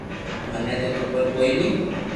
مني تو خبر ڪوئي ني